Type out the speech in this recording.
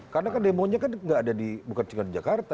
karena kan demonya kan nggak ada di bukan cuma di jakarta